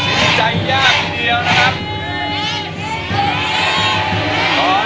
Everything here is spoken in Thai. ปักสินใจยากเดียวนะครับ